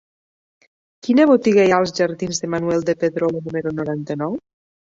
Quina botiga hi ha als jardins de Manuel de Pedrolo número noranta-nou?